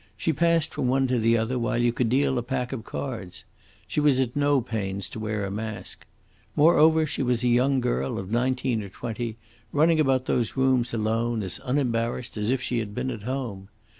She passed from one to the other while you could deal a pack of cards. She was at no pains to wear a mask. Moreover, she was a young girl of nineteen or twenty, running about those rooms alone, as unembarrassed as if she had been at home.